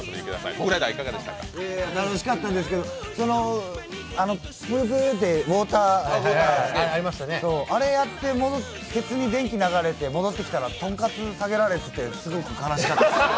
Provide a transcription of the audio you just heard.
楽しかったですけど、ウォーターゲームあれやってケツに電気流れて戻ってきたらとんかつ下げられててすごく悲しかった。